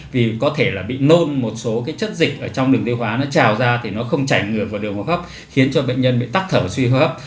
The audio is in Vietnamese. vì có thể là bị nôn một số cái chất dịch ở trong đường tiêu hóa nó trào ra thì nó không chảy ngược vào đường hô hấp khiến cho bệnh nhân bị tắc thở suy hô hấp